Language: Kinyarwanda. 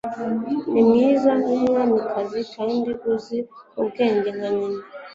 Ni mwiza nkumwamikazi kandi uzi ubwenge, nka nyina.